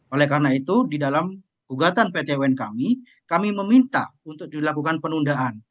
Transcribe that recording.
oleh karena itu di dalam gugatan pt un kami kami meminta untuk dilakukan penundaan